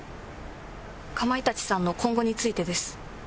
かまいたちさんの今後についてです。